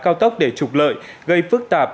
cao tốc để trục lợi gây phức tạp